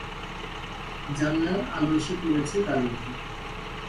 জানলার আলো এসে পড়েছে তার মুখে।